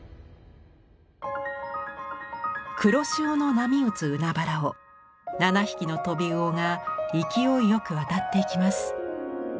黒潮の波打つ海原を７匹のトビウオが勢いよく渡っていきます。